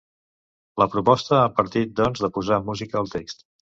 La proposta ha partit, doncs, de posar música al text.